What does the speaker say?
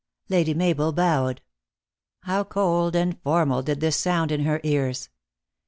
Lady Mabel bowed. How cold and formal did this sound in her ears..